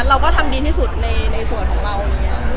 เราก็ทำดีที่สุดในส่วนของเราอย่างนี้